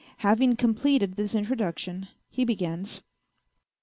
Having completed this introduction, he begins.